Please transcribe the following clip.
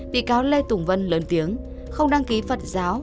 bị cáo lê tùng vân lớn tiếng không đăng ký phật giáo